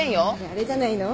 あれじゃないの？